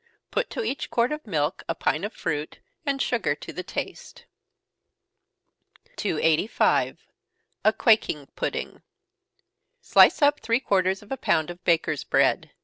Put to each quart of milk a pint of fruit, and sugar to the taste. 285. A Quaking Pudding. Slice up three quarters of a pound of bakers' bread.